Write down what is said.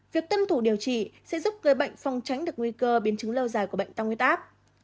việc tân thủ điều trị sẽ giúp người bệnh phòng tránh được nguy cơ biến chứng lâu dài của bệnh tăng nguyết áp